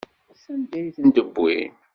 Sanda ay tent-wwin?